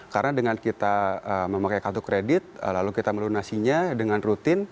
karena dengan kita memakai kartu kredit lalu kita melunasinya dengan rutin